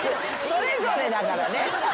それぞれだからね。